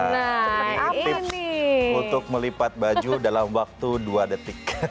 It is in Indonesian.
ada tips untuk melipat baju dalam waktu dua detik